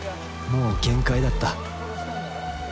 もう限界だった。